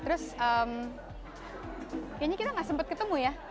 terus kayaknya kita gak sempet ketemu ya